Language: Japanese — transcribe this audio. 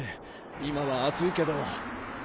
今は暑いけど。